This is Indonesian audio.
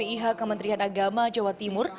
ih kementerian agama jawa timur